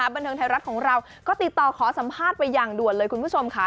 บันเทิงไทยรัฐของเราก็ติดต่อขอสัมภาษณ์ไปอย่างด่วนเลยคุณผู้ชมค่ะ